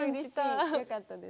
よかったです。